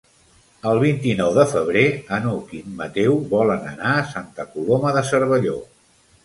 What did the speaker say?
El vint-i-nou de febrer n'Hug i en Mateu volen anar a Santa Coloma de Cervelló.